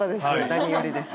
何よりです。